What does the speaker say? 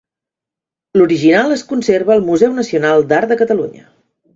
L'original es conserva al Museu Nacional d'Art de Catalunya.